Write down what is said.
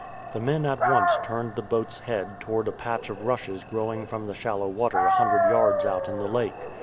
The men at once turned the boat's head toward a patch of rushes growing from the shallow water a hundred yards out in the lake.